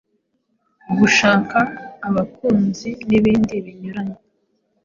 gushaka abakunzi, n’ibindi binyuranye.